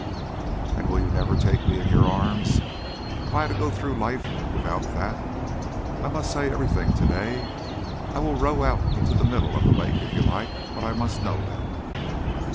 "And will you never take me in your arms? Have I got to go through life without that? I must say everything to day I will row out into the middle of the lake if you like, but I must know that."